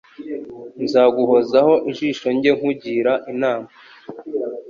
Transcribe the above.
nzaguhozaho ijisho njye nkugira inama